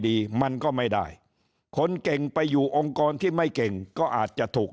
ดีมันก็ไม่ได้คนเก่งไปอยู่องค์กรที่ไม่เก่งก็อาจจะถูก